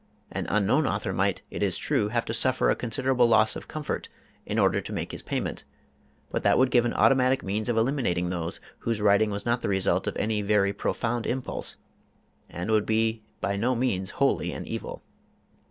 An unknown author might, it is true, have to suffer a considerable loss of comfort in order to make his payment, but that would give an automatic means of eliminating those whose writing was not the result of any very profound impulse and would be by no means wholly an evil.